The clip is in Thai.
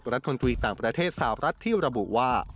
รัฐมนตรีต่างประเทศสาวรัฐที่ระบุว่า